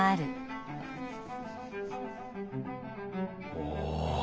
おお！